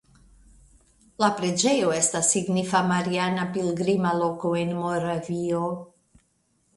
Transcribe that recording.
La preĝejo estas signifa mariana pilgrima loko en Moravio.